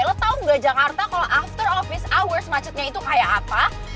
lo tau gak jakarta kalo after office hours macetnya itu kayak apa